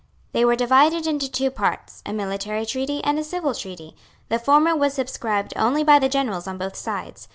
They were divided into two parts, a military treaty and a civil treaty. The former was subscribed only by the generals on both sides.